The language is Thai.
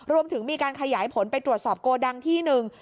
รวมถึงมีการขยายผลไปตรวจสอบโกดังที่หนึ่ง